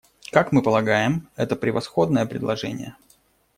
Как мы полагаем, это превосходное предложение.